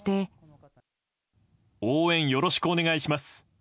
応援よろしくお願いします。